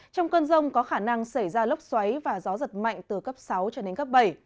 trong cơn rông có khả năng xảy ra lốc xoáy và gió giật mạnh từ cấp sáu cho đến cấp bảy